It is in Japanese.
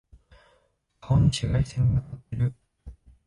顔に紫外線が当たってる。